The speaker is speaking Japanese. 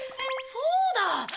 そうだ！